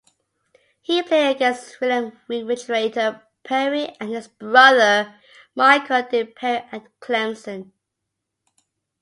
He played against William "Refrigerator" Perry and his brother Michael Dean Perry at Clemson.